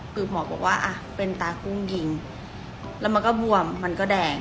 คือหมอบอกว่าเป็นตากุ้งยิงแล้วมันก็บวมมันก็แดง